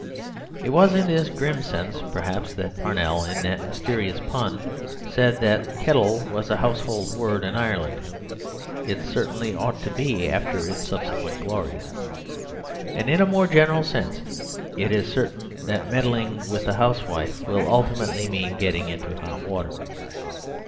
It was in this grim sense perhaps that Parnell, in that mysterious pun, said that Kettle was a house hold word in Ireland (it certainly ought to be after its subsequent glories), and in a more general sense it is certain that meddling with the housewife will ultimately mean getting into hot water.